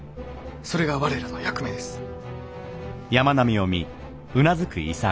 それが我らの役目です。